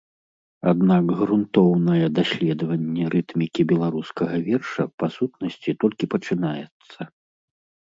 Аднак грунтоўнае даследаванне рытмікі беларускага верша па сутнасці толькі пачынаецца.